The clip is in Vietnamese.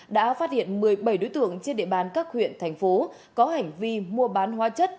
đã phát hiện một mươi bảy đối tượng trên địa bàn các huyện thành phố có hành vi mua bán hóa chất